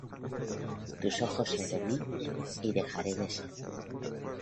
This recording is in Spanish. Tus ojos sobre mí, y dejaré de ser.